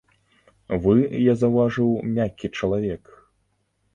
Вы, я заўважыў, мяккі чалавек.